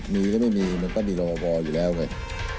มีหรือไม่มีมันก็มีรอบออยู่แล้วไง